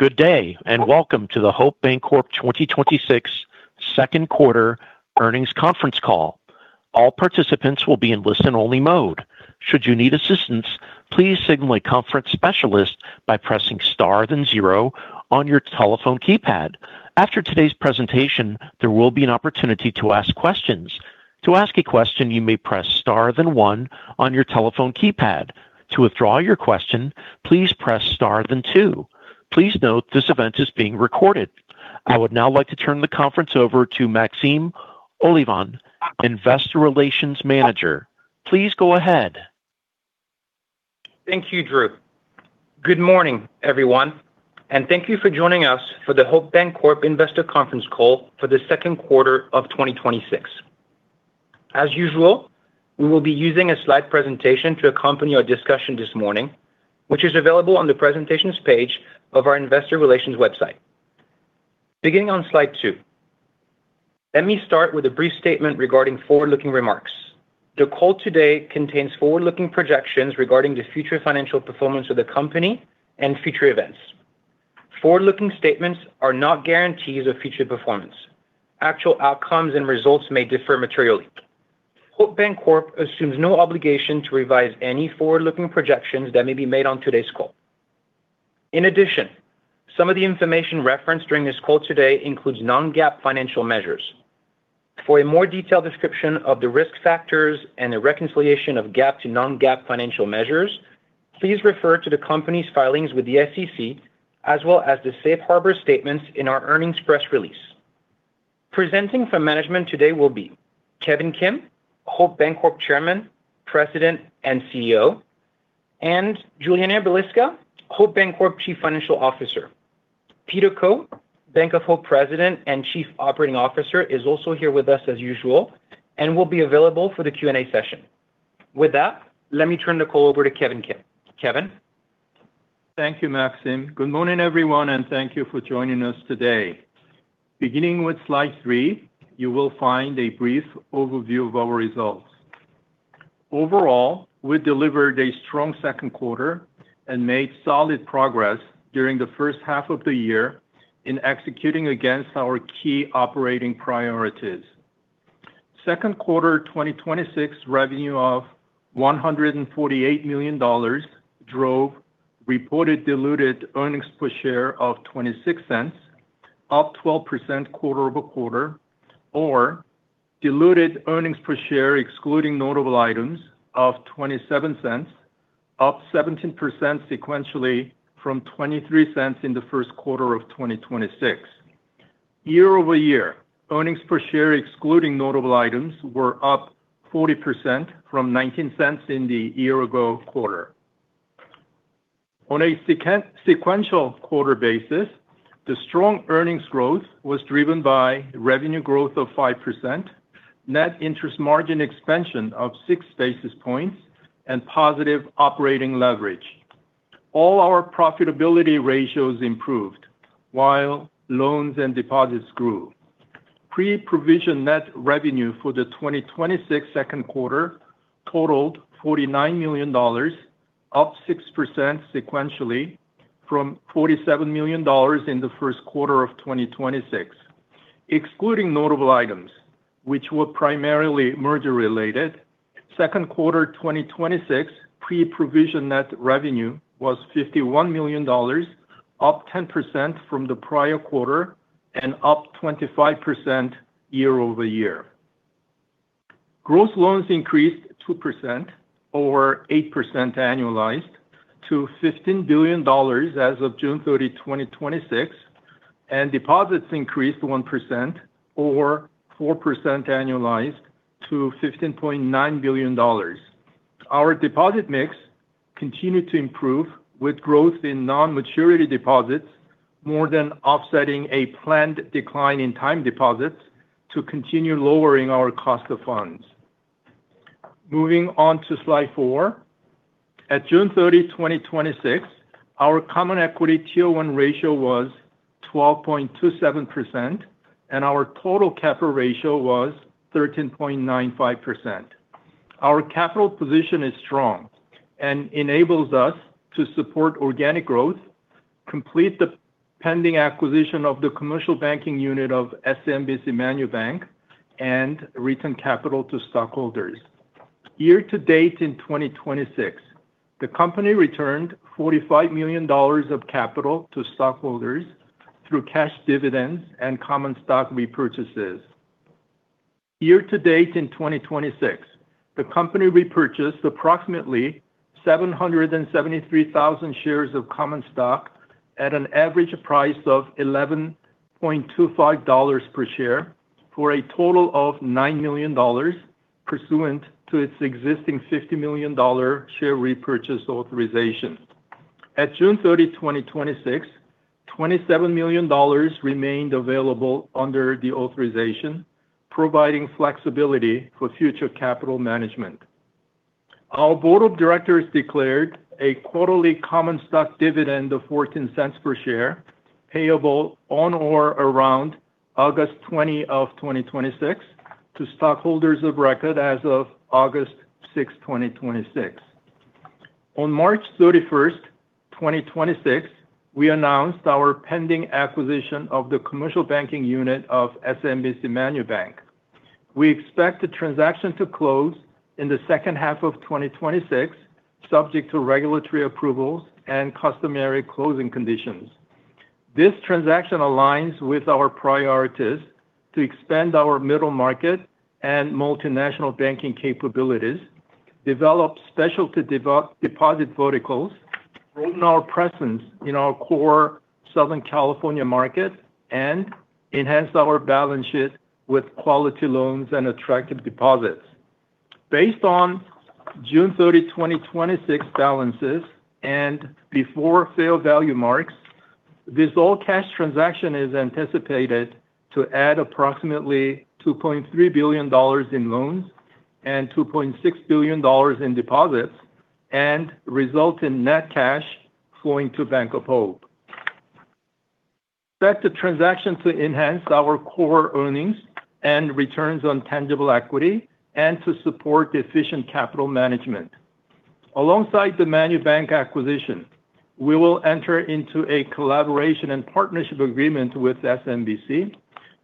Good day, and welcome to the Hope Bancorp 2026 Second Quarter Earnings Conference Call. All participants will be in listen-only mode. Should you need assistance, please signal a conference specialist by pressing star then zero on your telephone keypad. After today's presentation, there will be an opportunity to ask questions. To ask a question, you may press star then one on your telephone keypad. To withdraw your question, please press star then two. Please note this event is being recorded. I would now like to turn the conference over to Maxime Olivan, Investor Relations Manager. Please go ahead. Thank you, Drew. Good morning, everyone, and thank you for joining us for the Hope Bancorp Investor Conference Call for the Second Quarter of 2026. As usual, we will be using a slide presentation to accompany our discussion this morning, which is available on the presentations page of our investor relations website. Beginning on slide two, let me start with a brief statement regarding forward-looking remarks. The call today contains forward-looking projections regarding the future financial performance of the company and future events. Forward-looking statements are not guarantees of future performance. Actual outcomes and results may differ materially. Hope Bancorp assumes no obligation to revise any forward-looking projections that may be made on today's call. In addition, some of the information referenced during this call today includes non-GAAP financial measures. For a more detailed description of the risk factors and the reconciliation of GAAP to non-GAAP financial measures, please refer to the company's filings with the SEC, as well as the safe harbor statements in our earnings press release. Presenting from management today will be Kevin Kim, Hope Bancorp Chairman, President, and CEO, and Julianna Balicka, Hope Bancorp Chief Financial Officer. Peter Koh, Bank of Hope President and Chief Operating Officer is also here with us as usual and will be available for the Q&A session. With that, let me turn the call over to Kevin Kim. Kevin? Thank you, Maxime. Good morning, everyone, and thank you for joining us today. Beginning with slide three, you will find a brief overview of our results. Overall, we delivered a strong second quarter and made solid progress during the first half of the year in executing against our key operating priorities. Second quarter 2026 revenue of $148 million drove reported diluted earnings per share of $0.26, up 12% quarter-over-quarter, or diluted earnings per share excluding notable items of $0.27, up 17% sequentially from $0.23 in the first quarter of 2026. Year-over-year, earnings per share excluding notable items were up 40% from $0.19 in the year ago quarter. On a sequential quarter basis, the strong earnings growth was driven by revenue growth of 5%, net interest margin expansion of 6 basis points, and positive operating leverage. All our profitability ratios improved while loans and deposits grew. Pre-provision net revenue for the 2026 second quarter totaled $49 million, up 6% sequentially from $47 million in the first quarter of 2026. Excluding notable items, which were primarily merger related, second quarter 2026 pre-provision net revenue was $51 million, up 10% from the prior quarter and up 25% year-over-year. Gross loans increased 2% or 8% annualized to $15 billion as of June 30, 2026, and deposits increased 1% or 4% annualized to $15.9 billion. Our deposit mix continued to improve with growth in non-maturity deposits more than offsetting a planned decline in time deposits to continue lowering our cost of funds. Moving on to slide four. At June 30, 2026, our common equity Tier 1 ratio was 12.27%, and our total capital ratio was 13.95%. Our capital position is strong and enables us to support organic growth, complete the pending acquisition of the commercial banking unit of SMBC MANUBANK, and return capital to stockholders. Year to date in 2026, the company returned $45 million of capital to stockholders through cash dividends and common stock repurchases. Year to date in 2026, the company repurchased approximately 773,000 shares of common stock at an average price of $11.25 per share for a total of $9 million pursuant to its existing $50 million share repurchase authorization. At June 30, 2026, $27 million remained available under the authorization, providing flexibility for future capital management. Our board of directors declared a quarterly common stock dividend of $0.14 per share payable on or around August 20, 2026 to stockholders of record as of August 6, 2026. On March 31st, 2026, we announced our pending acquisition of the commercial banking unit of SMBC MANUBANK. We expect the transaction to close in the second half of 2026, subject to regulatory approvals and customary closing conditions. This transaction aligns with our priorities to expand our middle market and multinational banking capabilities, develop specialty deposit verticals, broaden our presence in our core Southern California market, and enhance our balance sheet with quality loans and attractive deposits. Based on June 30, 2026, balances and before failed value marks, this all-cash transaction is anticipated to add approximately $2.3 billion in loans and $2.6 billion in deposits and result in net cash flowing to Bank of Hope. We expect the transaction to enhance our core earnings and returns on tangible equity and to support efficient capital management. Alongside the MANUBANK acquisition, we will enter into a collaboration and partnership agreement with SMBC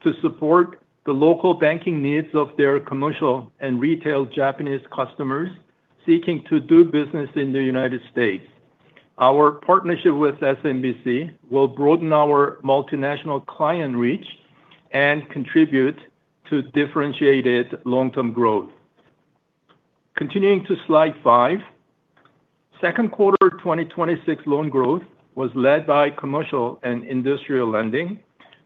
to support the local banking needs of their commercial and retail Japanese customers seeking to do business in the U.S. Our partnership with SMBC will broaden our multinational client reach and contribute to differentiated long-term growth. Continuing to slide five. Second quarter 2026 loan growth was led by commercial and industrial lending,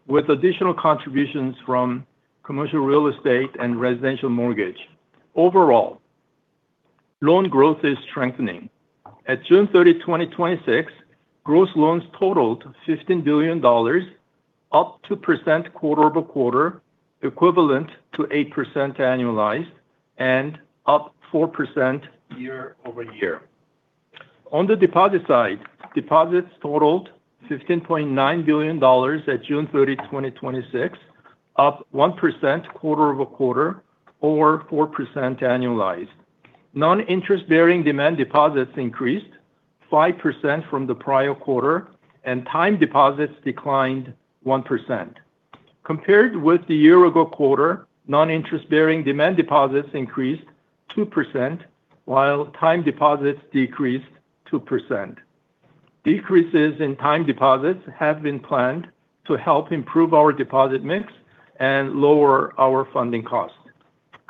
with additional contributions from commercial real estate and residential mortgage. Overall, loan growth is strengthening. At June 30, 2026, gross loans totaled $15 billion, up 2% quarter-over-quarter, equivalent to 8% annualized and up 4% year-over-year. On the deposit side, deposits totaled $15.9 billion at June 30, 2026, up 1% quarter-over-quarter or 4% annualized. Non-interest-bearing demand deposits increased 5% from the prior quarter and time deposits declined 1%. Compared with the year-ago quarter, non-interest-bearing demand deposits increased 2%, while time deposits decreased 2%. Decreases in time deposits have been planned to help improve our deposit mix and lower our funding costs.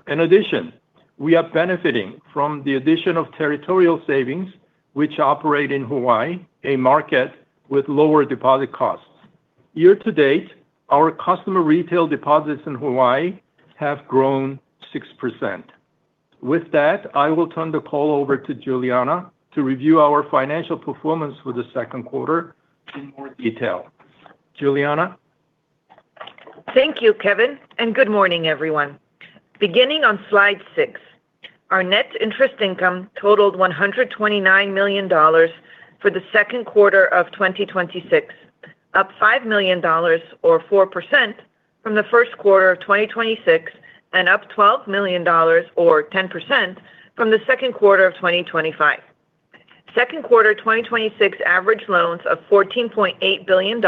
In addition, we are benefiting from the addition of Territorial Savings, which operate in Hawaii, a market with lower deposit costs. Year to date, our customer retail deposits in Hawaii have grown 6%. With that, I will turn the call over to Julianna to review our financial performance for the second quarter in more detail. Julianna? Thank you, Kevin. Good morning, everyone. Beginning on slide six, our net interest income totaled $129 million for the second quarter of 2026, up $5 million or 4% from the first quarter of 2026 and up $12 million or 10% from the second quarter of 2025. Second quarter 2026 average loans of $14.8 billion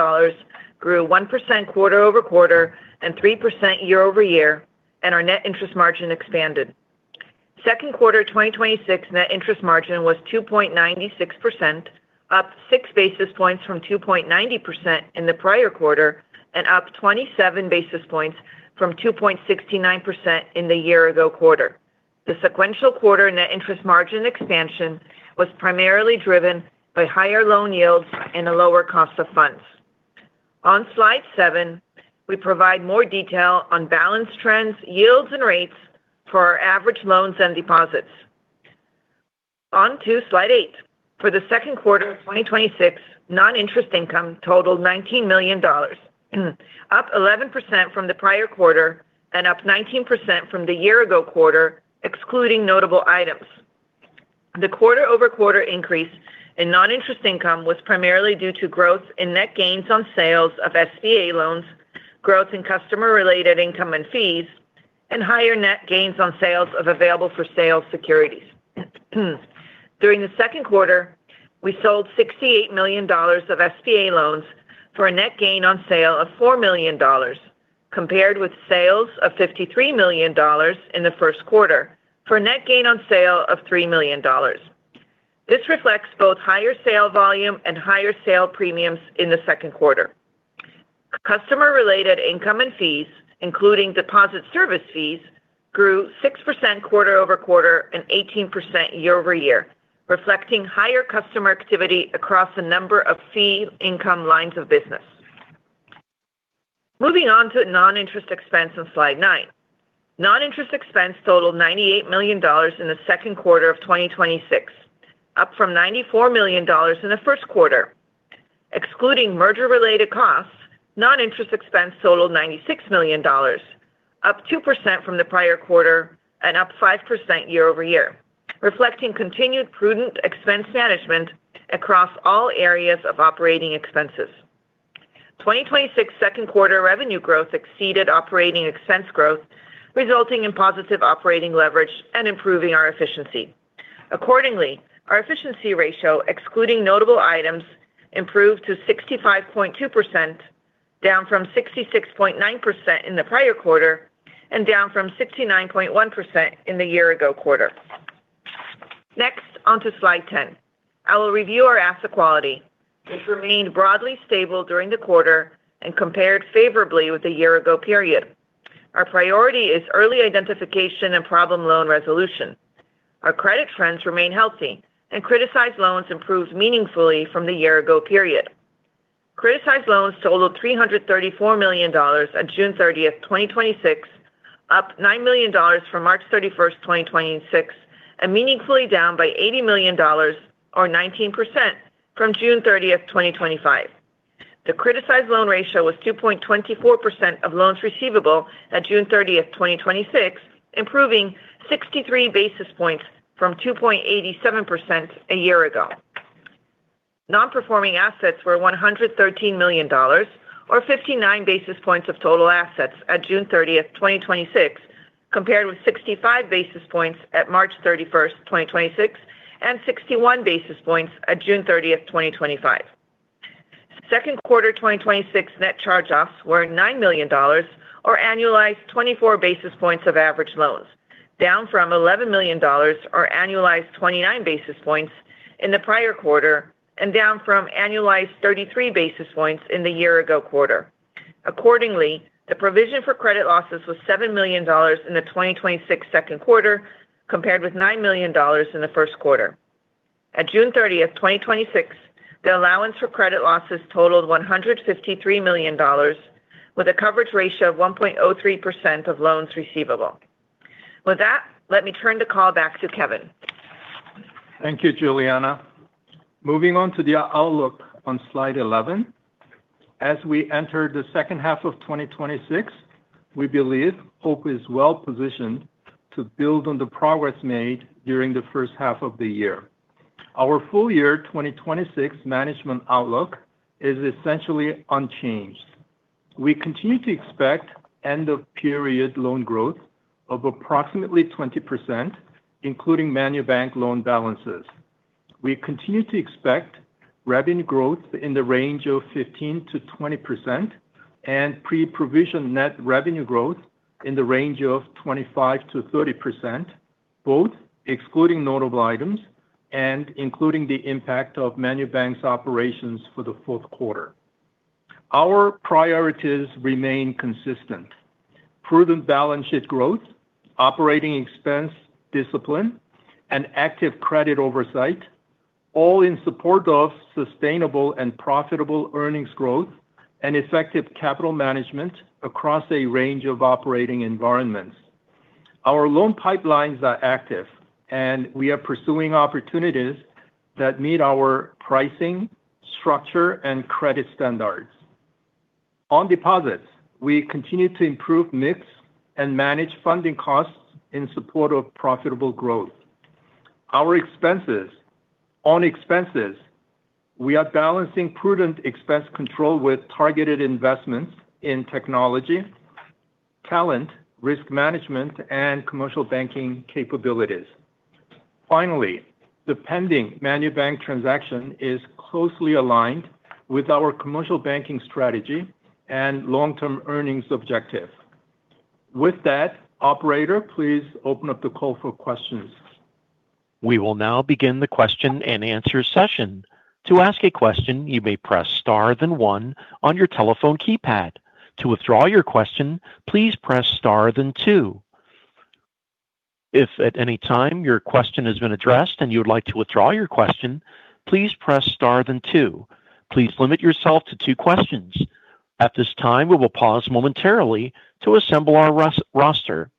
grew 1% quarter-over-quarter and 3% year-over-year, and our net interest margin expanded. Second quarter 2026 net interest margin was 2.96%, up 6 basis points from 2.90% in the prior quarter and up 27 basis points from 2.69% in the year-ago quarter. The sequential quarter net interest margin expansion was primarily driven by higher loan yields and a lower cost of funds. On slide seven, we provide more detail on balance trends, yields, and rates for our average loans and deposits. On to slide eight. For the second quarter of 2026, non-interest income totaled $19 million, up 11% from the prior quarter and up 19% from the year-ago quarter, excluding notable items. The quarter-over-quarter increase in non-interest income was primarily due to growth in net gains on sales of SBA loans, growth in customer-related income and fees, and higher net gains on sales of available for sale securities. During the second quarter, we sold $68 million of SBA loans for a net gain on sale of $4 million, compared with sales of $53 million in the first quarter for a net gain on sale of $3 million. This reflects both higher sale volume and higher sale premiums in the second quarter. Customer-related income and fees, including deposit service fees, grew 6% quarter-over-quarter and 18% year-over-year, reflecting higher customer activity across a number of fee income lines of business. Moving on to non-interest expense on slide nine. Non-interest expense totaled $98 million in the second quarter of 2026, up from $94 million in the first quarter. Excluding merger-related costs, non-interest expense totaled $96 million, up 2% from the prior quarter and up 5% year-over-year, reflecting continued prudent expense management across all areas of operating expenses. 2026 second quarter revenue growth exceeded operating expense growth, resulting in positive operating leverage and improving our efficiency. Accordingly, our efficiency ratio, excluding notable items, improved to 65.2%, down from 66.9% in the prior quarter and down from 69.1% in the year-ago quarter. Next on to slide 10. I will review our asset quality, which remained broadly stable during the quarter and compared favorably with the year-ago period. Our priority is early identification and problem loan resolution. Our credit trends remain healthy. Criticized loans improved meaningfully from the year ago period. Criticized loans totaled $334 million on June 30th, 2026, up $9 million from March 31st, 2026, and meaningfully down by $80 million or 19% from June 30th, 2025. The criticized loan ratio was 2.24% of loans receivable at June 30th, 2026, improving 63 basis points from 2.87% a year ago. Non-performing assets were $113 million or 59 basis points of total assets at June 30th, 2026, compared with 65 basis points at March 31st, 2026 and 61 basis points at June 30th, 2025. Second quarter 2026 net charge-offs were $9 million or annualized 24 basis points of average loans, down from $11 million or annualized 29 basis points in the prior quarter and down from annualized 33 basis points in the year ago quarter. Accordingly, the provision for credit losses was $7 million in the 2026 second quarter, compared with $9 million in the first quarter. At June 30th, 2026, the allowance for credit losses totaled $153 million, with a coverage ratio of 1.03% of loans receivable. With that, let me turn the call back to Kevin. Thank you, Julianna. Moving on to the outlook on slide 11. As we enter the second half of 2026, we believe Hope is well-positioned to build on the progress made during the first half of the year. Our full year 2026 management outlook is essentially unchanged. We continue to expect end-of-period loan growth of approximately 20%, including MANUBANK loan balances. We continue to expect revenue growth in the range of 15%-20% and pre-provision net revenue growth in the range of 25%-30%, both excluding notable items and including the impact of MANUBANK's operations for the fourth quarter. Our priorities remain consistent. Prudent balance sheet growth, operating expense discipline, and active credit oversight, all in support of sustainable and profitable earnings growth and effective capital management across a range of operating environments. Our loan pipelines are active, and we are pursuing opportunities that meet our pricing, structure, and credit standards. On deposits, we continue to improve mix and manage funding costs in support of profitable growth. On expenses, we are balancing prudent expense control with targeted investments in technology, talent, risk management, and commercial banking capabilities. Finally, the pending MANUBANK transaction is closely aligned with our commercial banking strategy and long-term earnings objective. With that, operator, please open up the call for questions. We will now begin the question and answer session. To ask a question, you may press star, then one on your telephone keypad. To withdraw your question, please press star, then two. If at any time your question has been addressed and you would like to withdraw your question, please press star, then two. Please limit yourself to two questions. At this time, we will pause momentarily to assemble our roster.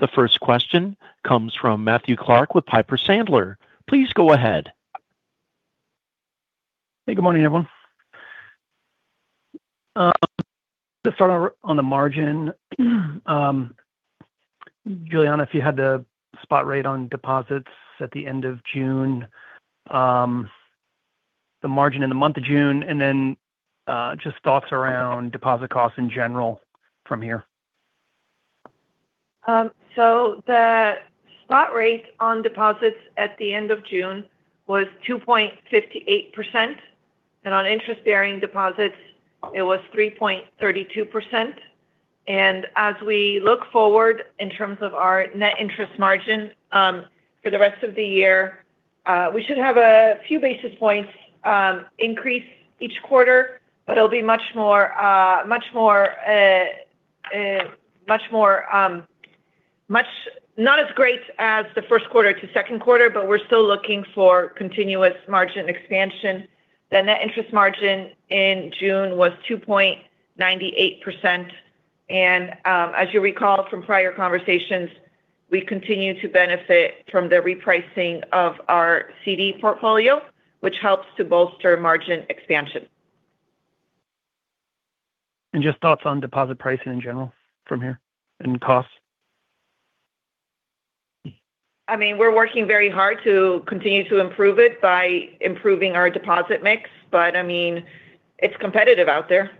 The first question comes from Matthew Clark with Piper Sandler. Please go ahead. Hey, good morning, everyone. To start out on the margin, Julianna, if you had the spot rate on deposits at the end of June, the margin in the month of June, then just thoughts around deposit costs in general from here. The spot rate on deposits at the end of June was 2.58%, and on Interest-Bearing deposits, it was 3.32%. As we look forward in terms of our net interest margin for the rest of the year, we should have a few basis points increase each quarter, but it will be not as great as the first quarter to second quarter, but we are still looking for continuous margin expansion. The net interest margin in June was 2.98%. As you recall from prior conversations, we continue to benefit from the repricing of our CD portfolio, which helps to bolster margin expansion. Just thoughts on deposit pricing in general from here and costs. We're working very hard to continue to improve it by improving our deposit mix. It's competitive out there.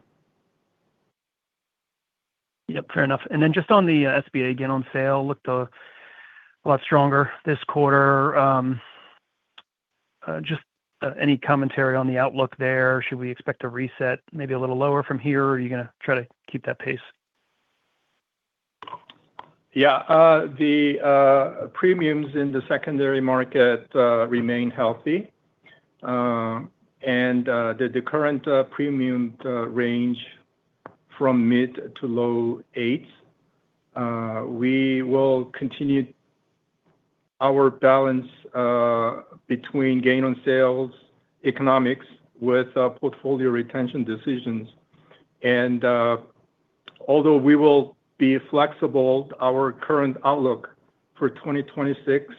Yep, fair enough. Just on the SBA gain on sale, looked a lot stronger this quarter. Just any commentary on the outlook there? Should we expect a reset maybe a little lower from here? Are you going to try to keep that pace? Yeah. The premiums in the secondary market remain healthy. The current premium range from mid to low eights. We will continue our balance between gain on sales economics with portfolio retention decisions. Although we will be flexible, our current outlook for 2026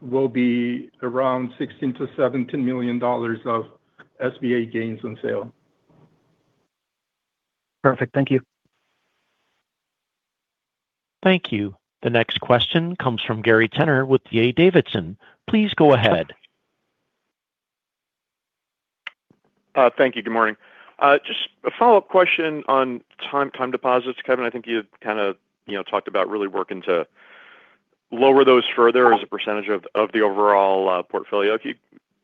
will be around $16 million-$17 million of SBA gains on sale. Perfect. Thank you. Thank you. The next question comes from Gary Tenner with D.A. Davidson. Please go ahead. Thank you. Good morning. Just a follow-up question on time deposits. Kevin, I think you kind of talked about really working to lower those further as a percentage of the overall portfolio. Can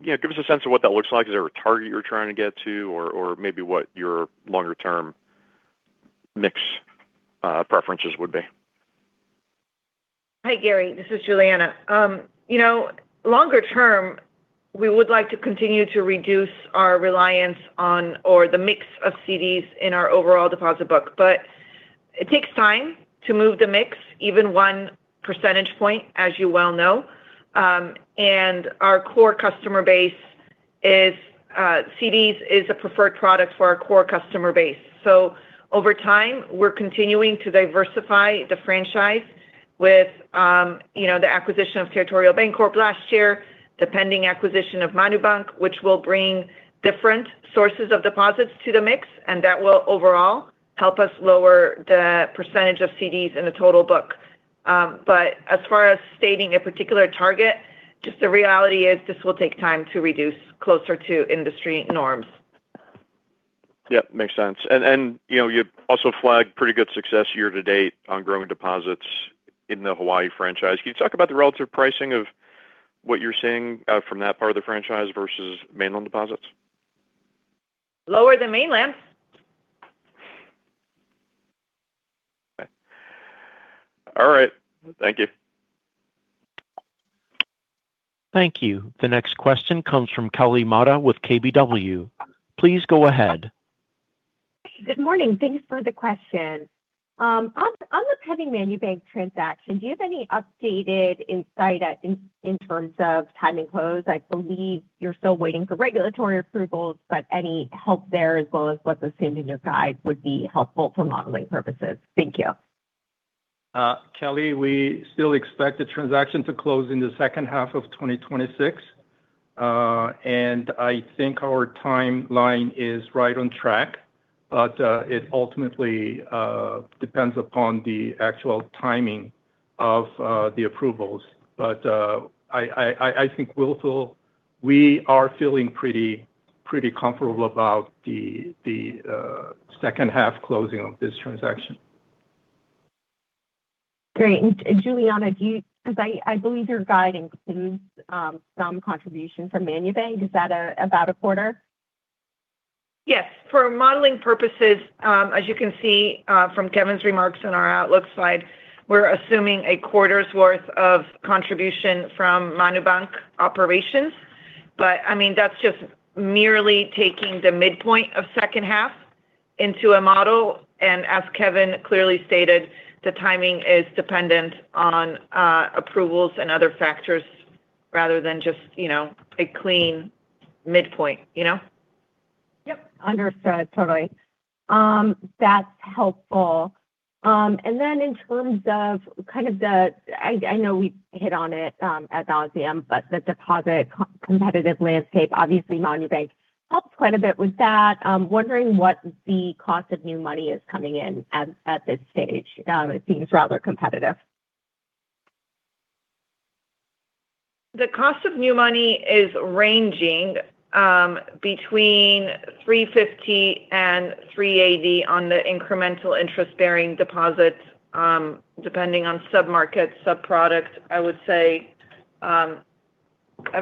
you give us a sense of what that looks like? Is there a target you're trying to get to or maybe what your longer-term mix preferences would be? Hi, Gary. This is Julianna. Longer term, we would like to continue to reduce our reliance on or the mix of CDs in our overall deposit book. It takes time to move the mix, even 1 percentage point, as you well know. Our core customer base, CDs is a preferred product for our core customer base. Over time, we're continuing to diversify the franchise with the acquisition of Territorial Bancorp last year, the pending acquisition of MANUBANK, which will bring different sources of deposits to the mix, and that will overall help us lower the percentage of CDs in the total book. As far as stating a particular target, just the reality is this will take time to reduce closer to industry norms. Yep. Makes sense. You also flagged pretty good success year to date on growing deposits in the Hawaii franchise. Can you talk about the relative pricing of what you're seeing from that part of the franchise versus mainland deposits? Lower than mainland. Okay. All right. Thank you. Thank you. The next question comes from Kelly Motta with KBW. Please go ahead. Good morning. Thanks for the questions. On the pending MANUBANK transaction, do you have any updated insight in terms of timing close? I believe you're still waiting for regulatory approvals, but any help there, as well as what the assumption in your guide would be helpful for modeling purposes. Thank you. Kelly, we still expect the transaction to close in the second half of 2026. I think our timeline is right on track. It ultimately depends upon the actual timing of the approvals. I think we are feeling pretty comfortable about the second half closing of this transaction. Great. Julianna, because I believe your guide includes some contribution from MANUBANK. Is that about a quarter? Yes. For modeling purposes, as you can see from Kevin's remarks on our outlook slide, we're assuming a quarter's worth of contribution from MANUBANK operations. That's just merely taking the midpoint of second half into a model. As Kevin clearly stated, the timing is dependent on approvals and other factors rather than just a clean midpoint. Yep. Understood. Totally. That's helpful. Then in terms of the, I know we hit on it ad nauseam, the deposit competitive landscape, obviously MANUBANK helps quite a bit with that. I'm wondering what the cost of new money is coming in at this stage. It seems rather competitive. The cost of new money is ranging between 350 and 380 on the incremental Interest-Bearing deposits, depending on sub-markets, sub-products. I would say a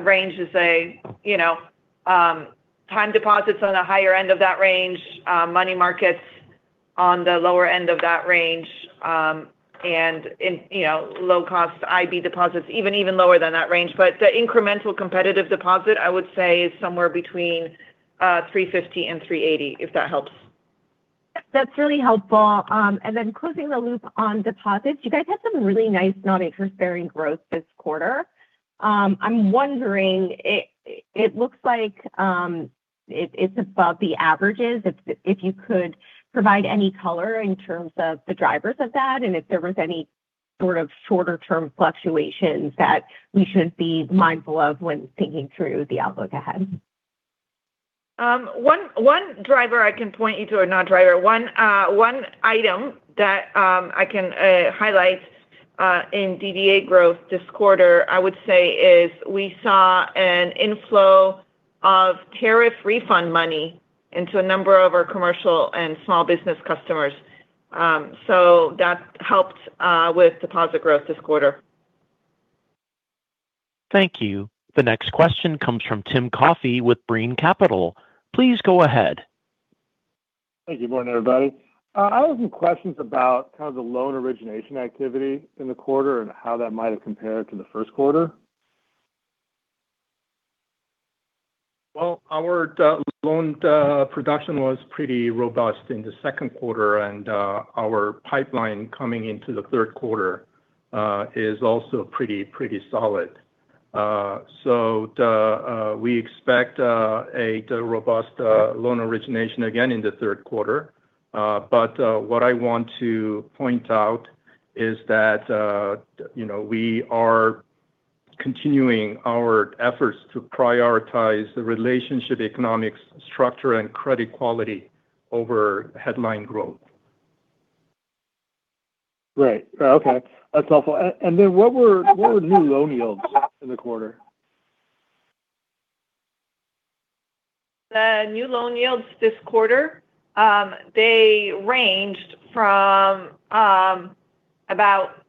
range is time deposits on the higher end of that range, money markets on the lower end of that range, and low-cost Interest-Bearing deposits even lower than that range. The incremental competitive deposit, I would say is somewhere between 350 and 380, if that helps. That's really helpful. Closing the loop on deposits, you guys had some really nice non-interest-bearing growth this quarter. I'm wondering, it looks like it's above the averages. If you could provide any color in terms of the drivers of that, and if there was any sort of shorter-term fluctuations that we should be mindful of when thinking through the outlook ahead. One driver I can point you to, or not driver, one item that I can highlight in DDA growth this quarter, I would say is we saw an inflow of tariff refund money into a number of our commercial and small business customers. That helped with deposit growth this quarter. Thank you. The next question comes from Tim Coffey with Brean Capital. Please go ahead. Thank you. Morning, everybody. I have some questions about the loan origination activity in the quarter and how that might have compared to the first quarter. Our loan production was pretty robust in the second quarter, and our pipeline coming into the third quarter is also pretty solid. We expect a robust loan origination again in the third quarter. What I want to point out is that we are continuing our efforts to prioritize the relationship economics structure and credit quality over headline growth. Right. Okay. That's helpful. What were new loan yields in the quarter? The new loan yields this quarter, they ranged from about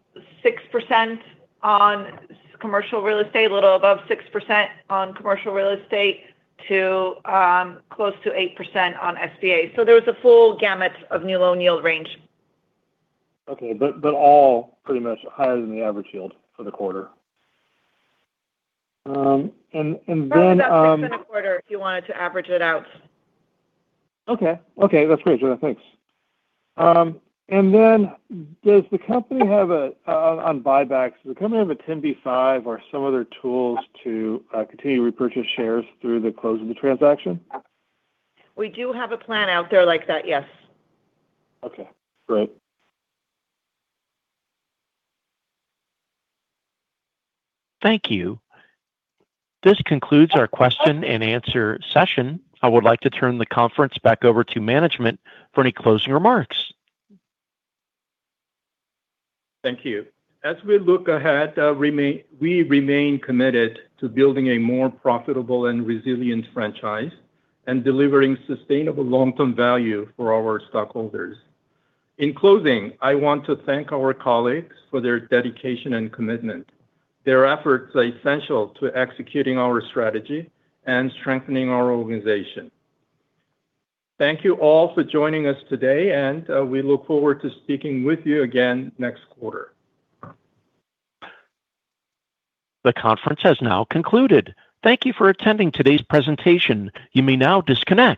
6% on commercial real estate, a little above 6% on commercial real estate, to close to 8% on SBA. There was a full gamut of new loan yield range. Okay. All pretty much higher than the average yield for the quarter. Around about 6% a quarter if you wanted to average it out. Okay. That's great, Julianna. Thanks. On buybacks, does the company have a 10b5-1 or some other tools to continue to repurchase shares through the close of the transaction? We do have a plan out there like that, yes. Okay, great. Thank you. This concludes our question and answer session. I would like to turn the conference back over to management for any closing remarks. Thank you. As we look ahead, we remain committed to building a more profitable and resilient franchise and delivering sustainable long-term value for our stockholders. In closing, I want to thank our colleagues for their dedication and commitment. Their efforts are essential to executing our strategy and strengthening our organization. Thank you all for joining us today, and we look forward to speaking with you again next quarter. The conference has now concluded. Thank you for attending today's presentation. You may now disconnect.